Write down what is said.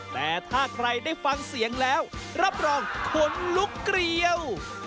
แต่ถ้าใครได้ฟังเสียงแล้วรับรองขนลุกเกลียว